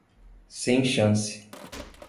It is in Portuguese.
Sem chance!